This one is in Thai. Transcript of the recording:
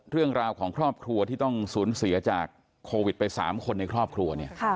เรื่องราวของครอบครัวที่ต้องสูญเสียจากโควิดไป๓คนในครอบครัวเนี่ย